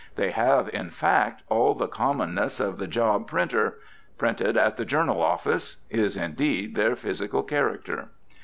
They have, in fact, all the commonness of the job printer. "Printed at the Journal Office," is, indeed, their physical character.